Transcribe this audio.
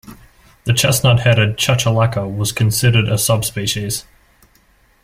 The chestnut-headed chachalaca was considered a subspecies.